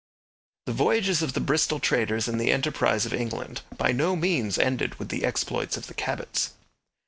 The voyages of the Bristol traders and the enterprise of England by no means ended with the exploits of the Cabots.